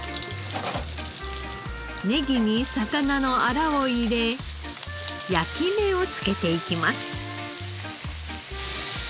ネギに魚のアラを入れ焼き目をつけていきます。